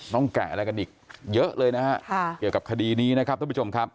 แกะอะไรกันอีกเยอะเลยนะฮะเกี่ยวกับคดีนี้นะครับท่านผู้ชมครับ